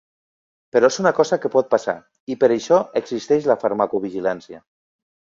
Però és una cosa que pot passar, i per això existeix la farmacovigilància.